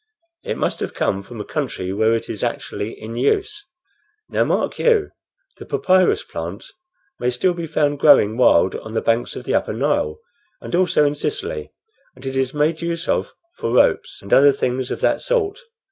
It must have come from a country where it is actually in use. Now, mark you, the papyrus plant may still be found growing wild on the banks of the upper Nile, and also in Sicily, and it is made use of for ropes and other things of that sort.